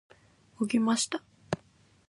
起きました。